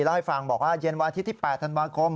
เล่าให้ฟังบอกว่าเย็นวันอาทิตย์ที่๘ธันวาคม